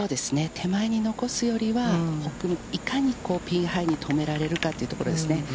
手前に残すよりは、いかにピンハイに止められるかというところですね。